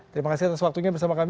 terima kasih atas waktunya bersama kami